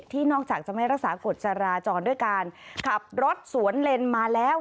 นอกจากจะไม่รักษากฎจราจรด้วยการขับรถสวนเลนมาแล้ว